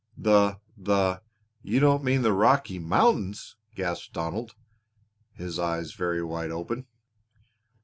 "The the you don't mean the Rocky Mountains!" gasped Donald, his eyes very wide open.